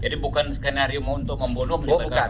jadi bukan skenario untuk membunuh